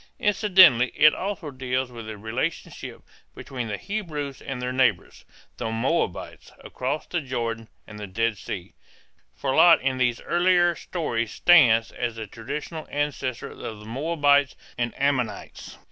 Incidentally it also deals with the relationship between the Hebrews and their neighbors, the Moabites, across the Jordan and the Dead Sea, for Lot in these earlier stories stands as the traditional ancestor of the Moabites and Ammonites.